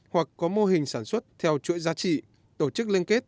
hoặc có mô hình sản xuất theo chuỗi giá trị tổ chức liên kết